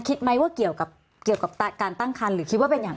คิดไหมว่าเกี่ยวกับเกี่ยวกับการตั้งคันหรือคิดว่าเป็นอย่าง